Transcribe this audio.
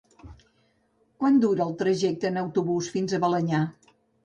Quant dura el trajecte en autobús fins a Balenyà?